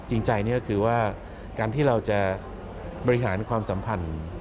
จริงใจนี่ก็คือว่าการที่เราจะบริหารความสัมพันธ์